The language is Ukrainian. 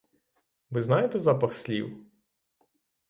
Ви знаєте запах слів?